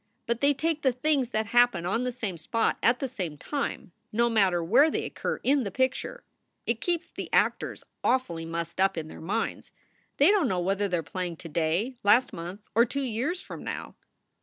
But they take the things that happen on the same spot at the same time, no matter where they occur in the picture. It keeps the actors awfully mussed up in their minds. They don t know whether they re playing to day, last month, or two years from now.